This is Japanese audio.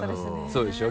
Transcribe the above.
そうでしょ？